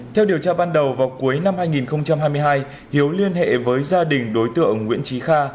theo điều tra ban đầu vào cuối năm hai nghìn hai mươi hai hiếu liên hệ với gia đình đối tượng nguyễn trí kha